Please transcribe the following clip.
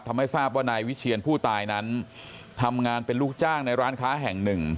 ทำให้ทราบว่านายวิเชียนผู้ตายนั้นทำงานเป็นลูกจ้างในร้านค้าแห่งหนึ่ง